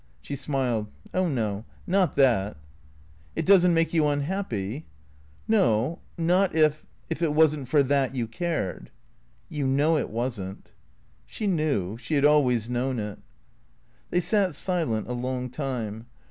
She smiled. " Oh no, not that." " It does n't make you unhappy ?"" No, not if — if it was n't for that you cared." " You know it was n't." She knew. She had always known it. They sat silent a long time.